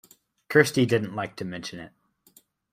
Kirsty didn’t like to mention it.